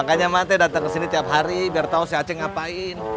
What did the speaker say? makanya ma teh dateng kesini tiap hari biar tau si acing ngapain